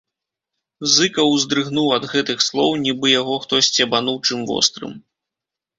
Зыкаў уздрыгнуў ад гэтых слоў, нібы яго хто сцебануў чым вострым.